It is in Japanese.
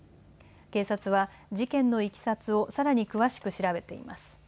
警察は事件のいきさつをさらに詳しく調べています。